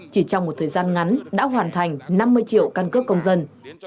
chỉ trong một thời gian ngắn đã hoàn thành năm mươi triệu căn cước công dân